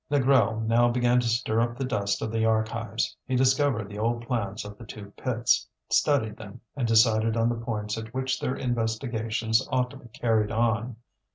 Négrel now began to stir up the dust of the archives; he discovered the old plans of the two pits, studied them, and decided on the points at which their investigations ought to be carried on.